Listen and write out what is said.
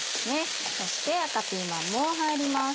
そして赤ピーマンも入ります。